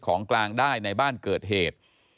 ของกลางได้ในบ้านเกิดเหตุ